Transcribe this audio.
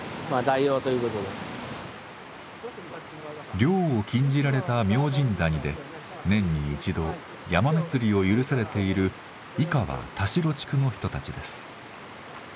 漁を禁じられた明神谷で年に１度ヤマメ釣りを許されている井川・田代地区の人たちです。